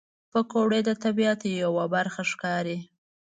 پکورې د طبیعت یوه برخه ښکاري